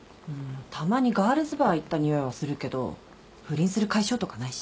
たまにガールズバー行ったにおいはするけど不倫するかい性とかないし。